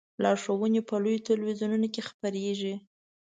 لارښوونې په لویو تلویزیونونو کې خپریږي.